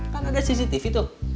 kan ada cctv tuh